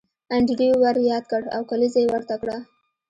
انډریو ور یاد کړ او کلیزه یې پورته کړه